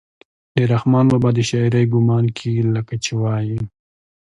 د رحمان بابا د شاعرۍ ګمان کيږي لکه چې وائي: